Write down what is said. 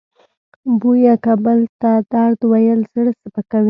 بویه که بل ته درد ویل زړه سپکوي.